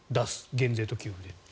減税と給付で。